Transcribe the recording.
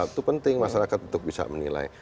itu penting masyarakat untuk bisa menilai